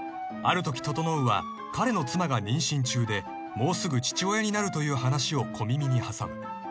［あるとき整は彼の妻が妊娠中でもうすぐ父親になるという話を小耳に挟む］